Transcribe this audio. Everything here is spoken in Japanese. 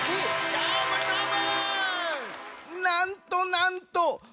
どーもどーも！